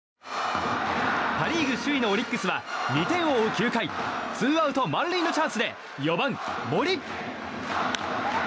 パ・リーグ首位のオリックスは２点を追う９回ツーアウト満塁のチャンスで４番、森。